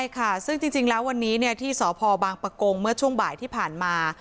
ใช่ค่ะซึ่งจริงแล้ววันนี้ที่สพบางปะโกงเมื่อช่วงบ่ายที่ผ่านมา